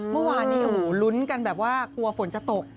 เมื่อวานนี้โอ้โหลุ้นกันแบบว่ากลัวฝนจะตก